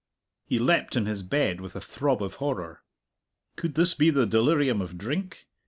He leapt in his bed with a throb of horror. Could this be the delirium of drink?